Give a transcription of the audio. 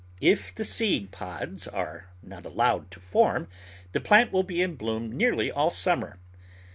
If the seed pods are not allowed to form the plant will be in bloom nearly all summer.